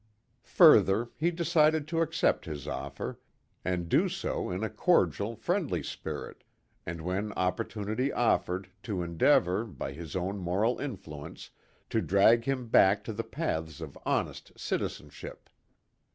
Further, he decided to accept his offer, and do so in a cordial, friendly spirit, and, when opportunity offered, to endeavor, by his own moral influence, to drag him back to the paths of honest citizenship.